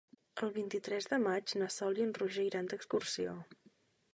El vint-i-tres de maig na Sol i en Roger iran d'excursió.